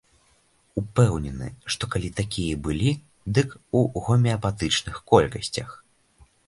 Упэўнены, што калі такія і былі, дык у гомеапатычных колькасцях.